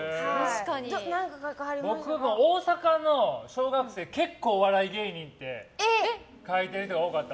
僕は大阪の小学生結構お笑い芸人って書いてる人が多かった。